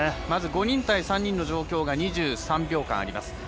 まず５人対３人の状態が２３秒間あります。